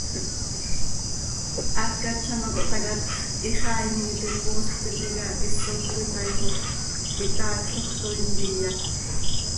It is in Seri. Hacat z ano cohtácatx, hixaainim iti, poosj tintica isoj cöitaaijoj, itaacloj, toii ntiya.